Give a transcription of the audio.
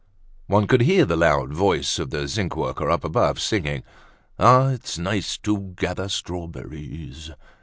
One could hear the loud voice of the zinc worker up above singing, "Ah! it's nice to gather strawberries!"